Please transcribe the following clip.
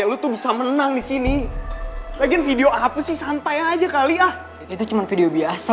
lu tuh bisa menang disini lagi video apa sih santai aja kali ah itu cuma video biasa